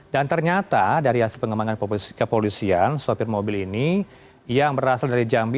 dan ternyata dari hasil pengembangan kepolisian sopir mobil ini yang berasal dari jambi